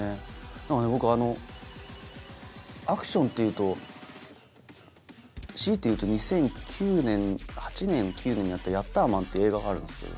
何か僕アクションっていうと強いて言うと２００９年にやった『ヤッターマン』っていう映画があるんですけど。